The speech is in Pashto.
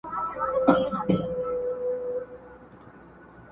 که بارونه په پسونو سي څوک وړلای.!